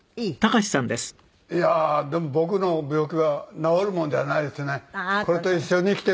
いやーでも僕の病気は治るもんじゃないですね。